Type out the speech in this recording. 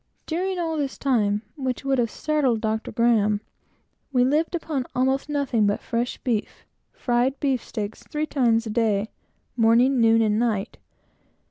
During all this time, which would have startled Dr. Graham we lived upon almost nothing but fresh beef; fried beefsteaks, three times a day, morning, noon, and night.